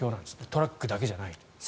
トラックだけじゃない。